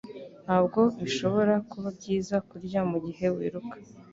Ntabwo bishobora kuba byiza kurya mugihe wiruka.